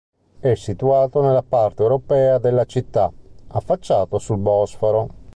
È situato nella parte europea della città, affacciato sul Bosforo.